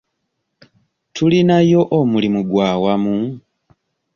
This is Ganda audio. Tulinayo omulimu gw'awamu?